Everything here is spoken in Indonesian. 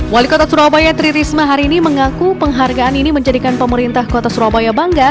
wali kota surabaya tri risma hari ini mengaku penghargaan ini menjadikan pemerintah kota surabaya bangga